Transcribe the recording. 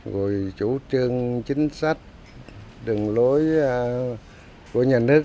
rồi chủ trương chính sách đường lối của nhà nước